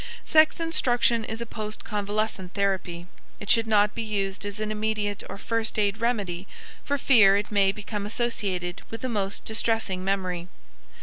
Sex instruction is a post convalescent therapy. It should not be used as an immediate or first aid remedy for fear it may become associated with a most distressing memory.